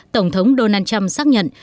tổng thống donald trump xác nhận